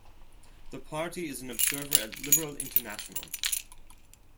The party is an observer at Liberal International.